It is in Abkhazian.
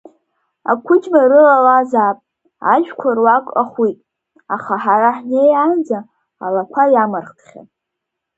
Ақәыџьма рылалазаап, ажәқәа руак ахәит, аха ҳара ҳнеиаанӡа алақәа иамырххьан.